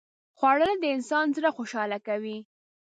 خوړل د انسان زړه خوشاله کوي